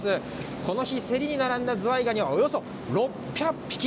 この日、競りに並んだズワイガニはおよそ６００匹。